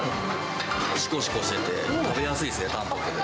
しこしこしてて食べやすいですね、淡白で。